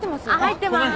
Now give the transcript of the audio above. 入ってまーす。